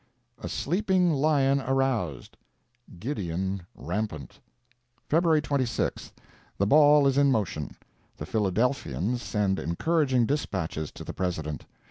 A Sleeping Lion Aroused—Gideon Rampant Feb. 26. The ball is in motion. The Philadelphians send encouraging dispatches to the President.